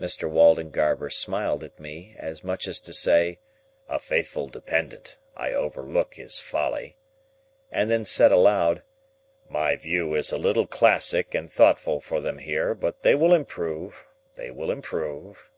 Mr. Waldengarver smiled at me, as much as to say "a faithful Dependent—I overlook his folly;" and then said aloud, "My view is a little classic and thoughtful for them here; but they will improve, they will improve."